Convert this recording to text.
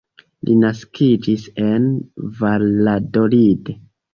Li naskiĝis en Valladolid.